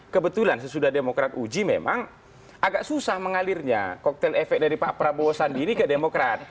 kebetulan sesudah demokrat uji memang agak susah mengalirnya koktel efek dari pak prabowo sendiri ke demokrat